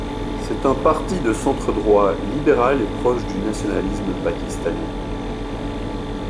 C’est un parti de centre droit, libéral et proche du nationalisme pakistanais.